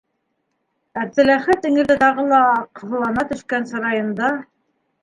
Әптеләхәт эңерҙә тағы ла аҡһыллана төшкән сырайында